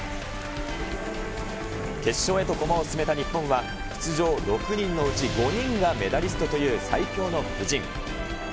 決勝へと駒を進めた日本は、出場６人のうち５人がメダリストという最強の布陣。